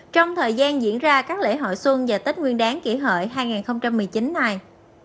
trong thời gian diễn ra các lễ hội xuân và tết nguyên đáng kỷ hợi hai nghìn một mươi chín này